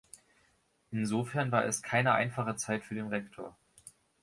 Insofern war es keine einfache Zeit für den Rektor.